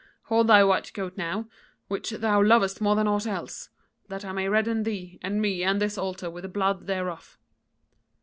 Hold thy white goat now, which thou lovest more than aught else, that I may redden thee and me and this altar with the blood thereof.'